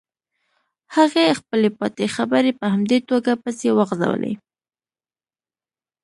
هغې خپلې پاتې خبرې په همدې توګه پسې وغزولې.